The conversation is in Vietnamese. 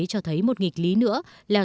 cho thấy một nghịch lý nữa là